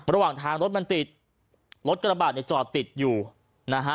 ระหว่างทางรถมันติดรถกระบาดในจอดติดอยู่นะฮะ